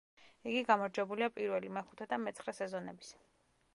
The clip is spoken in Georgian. იგი გამარჯვებულია პირველი, მეხუთე და მეცხრე სეზონების.